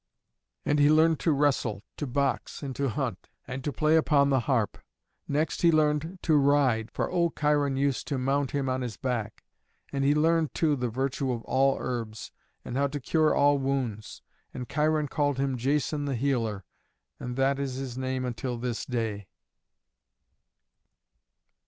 And he learned to wrestle, to box and to hunt, and to play upon the harp. Next he learned to ride, for old Cheiron used to mount him on his back. He learned too the virtue of all herbs, and how to cure all wounds, and Cheiron called him Jason the Healer, and that is his name until this day.